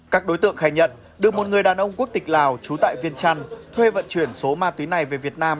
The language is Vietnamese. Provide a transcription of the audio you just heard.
các đối tượng khai nhận được một người đàn ông quốc tịch lào trú tại viên trăn thuê vận chuyển số ma túy này về việt nam